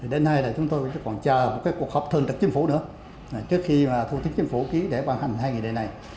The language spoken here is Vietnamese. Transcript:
đến nay chúng tôi còn chờ một cuộc họp thường trực chính phủ nữa trước khi thủ tịch chính phủ ký để bàn hành hai ngày này